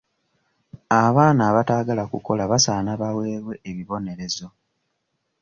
Abaana abataagala kukola basaana baweebwe ebibonerezo.